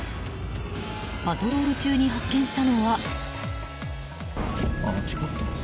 パトロール中に発見したのは。